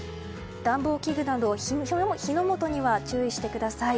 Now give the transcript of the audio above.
暖房器具など火の元には注意してください。